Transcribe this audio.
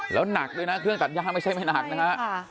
แล้วหนักด้วยนะเครื่องตัดย่าไม่ใช่ไม่หนักนะฮะ